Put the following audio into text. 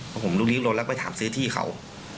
ผมลุกลีลุกลนแล้วไปถามซื้อที่เขา